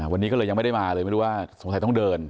วันนี้ก็เลยยังไม่ได้มาเลยไม่รู้ว่าสงสัยต้องเดิน